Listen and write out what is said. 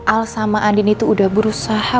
al sama andin itu udah berusaha